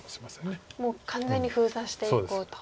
もう完全に封鎖していこうと。